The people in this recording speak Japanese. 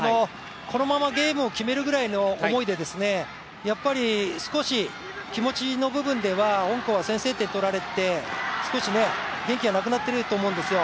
このままゲームを決めるぐらいの思いで、やっぱり少し気持ちの部分では香港は先制点をとられて、元気がなくなっていると思うんですよ。